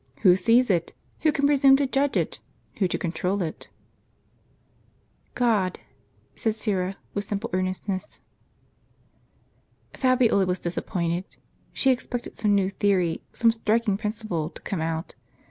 Who sees it? "Who can presume to judge it? Who to control it? "" God," answered Sjra, with simple earnestness. Fabiola was disappointed. She expected some new theory, some striking principle, to come out.